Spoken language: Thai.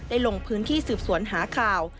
ลงพื้นที่สืบสวนหาข่าว